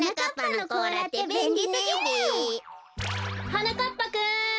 はなかっぱくん！